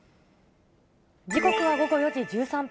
時刻は午後４時１３分。